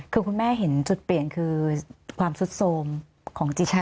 คือคุณแม่เห็นจุดเปลี่ยนคือความสุดโทรมของจิชา